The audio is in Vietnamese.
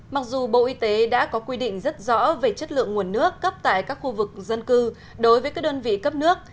mặc dù bộ y tế đã có quy định rất rõ về chất lượng nguồn nước cấp tại các khu vực dân cư đối với các đơn vị cấp nước